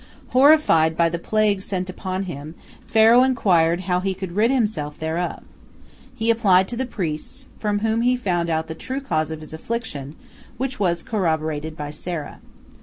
Horrified by the plague sent upon him, Pharaoh inquired how he could rid himself thereof. He applied to the priests, from whom he found out the true cause of his affliction, which was corroborated by Sarah.